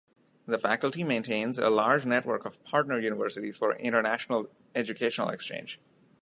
The faculty maintains a large network of partner universities for international educational exchange.